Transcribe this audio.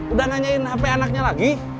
udah nanyain hp anaknya lagi